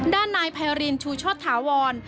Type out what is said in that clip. ด้านนายไพรินชูชดถาวร